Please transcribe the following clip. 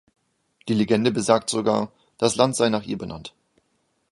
Die Legende besagt sogar, das Land sei nach ihr benannt.